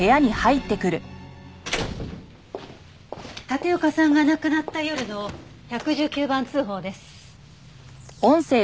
立岡さんが亡くなった夜の１１９番通報です。